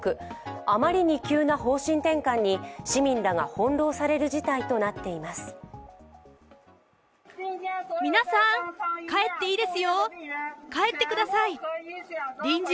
あまりに急な方針転換に市民らが翻弄される事態となっています。